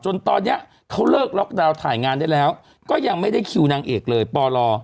จนตอนนี้เขาเลิกล็อกดาวน์ถ่ายงานได้แล้วก็ยังไม่ได้คิวนางเอกเลยปล